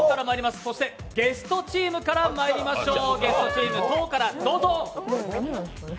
ゲストチームからまいりましょう。